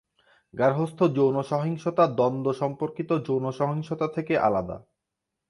গার্হস্থ্য যৌন সহিংসতা দ্বন্দ্ব-সম্পর্কিত যৌন সহিংসতা থেকে আলাদা।